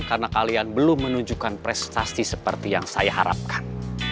karena kalian belum menunjukkan prestasi seperti yang saya harapkan